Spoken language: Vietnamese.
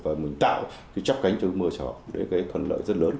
và mình tạo cái chắp cánh cho mơ trò để cái thuận lợi rất lớn